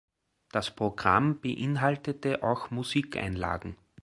Das Programm beinhaltete auch Musikeinlagen.